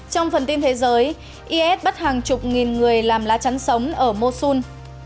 trong phần tin thế giới is bắt hàng chục nghìn người làm lá chắn sống ở mosun